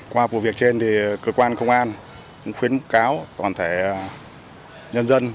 qua vụ việc trên thì cơ quan công an cũng khuyến cáo toàn thể nhân dân